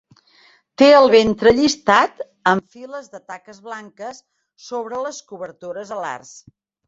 Té el ventre llistat amb files de taques blanques sobre les cobertores alars.